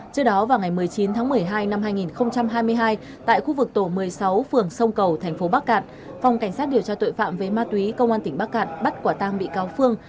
trước đó vào ngày một mươi chín tháng một mươi hai năm hai nghìn hai mươi hai tại khu vực tổ một mươi sáu phường sông cầu tp bắc cạn phòng cảnh sát điều tra tội phạm về ma túy công an tỉnh bắc cạn bắt quả tang bị cáo phương